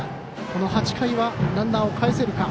この８回はランナーかえせるか。